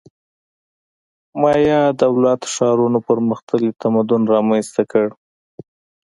مایا دولت ښارونو پرمختللی تمدن رامنځته کړ